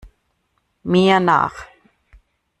Mir nach!